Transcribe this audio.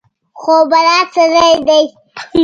خو بلا سړى دى.